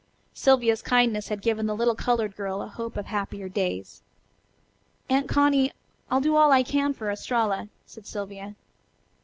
Sylvia's kindness had given the little colored girl a hope of happier days. "Aunt Connie, I'll do all I can for Estralla," said Sylvia.